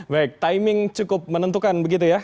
baik timing cukup menentukan begitu ya